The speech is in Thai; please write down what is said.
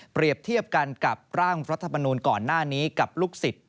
เทียบกันกับร่างรัฐมนูลก่อนหน้านี้กับลูกศิษย์